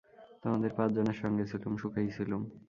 তোমাদের পাঁচজনের সঙ্গে ছিলুম, সুখেই ছিলুম।